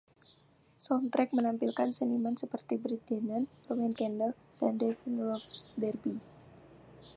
Soundtrack menampilkan seniman seperti Brett Dennen, Roman Candle dan Daphne Loves Derby.